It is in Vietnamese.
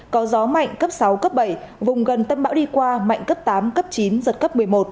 có gió mạnh cấp sáu cấp bảy vùng gần tâm bão đi qua mạnh cấp tám cấp chín giật cấp một mươi một